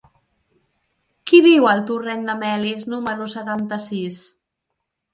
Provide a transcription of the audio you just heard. Qui viu al torrent de Melis número setanta-sis?